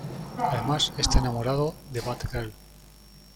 Además está enamorado de Batgirl.